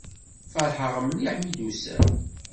Feṛḥeɣ mliḥ mi d-tusam.